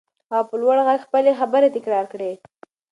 هغه په لوړ غږ خپلې خبرې تکرار کړې.